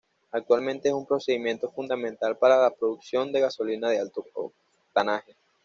Actualmente es un procedimiento fundamental para la producción de gasolina de alto octanaje.